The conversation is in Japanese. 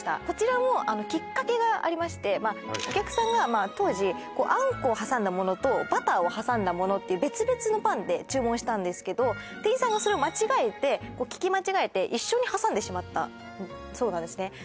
こちらもきっかけがありましてお客さんが当時あんこを挟んだものとバターを挟んだものっていう別々のパンで注文したんですけど店員さんがそれを間違えて聞き間違えて一緒に挟んでしまったそうなんですね